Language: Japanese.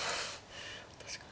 確かに。